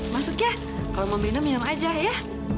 masuk ya kalau mau minum minum aja ya